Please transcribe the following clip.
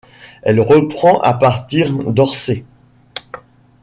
Elle reprend à partir d’Orcet.